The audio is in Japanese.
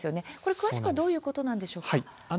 詳しくはどういうことなんでしょうか。